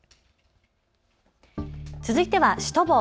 続いてはシュトボー。